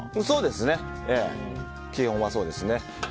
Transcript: そうですね、基本はそうですね。